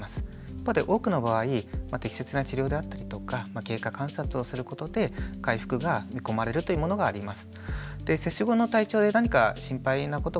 多くの場合適切な治療であったりとか経過観察をすることで回復が見込まれるというものがあります。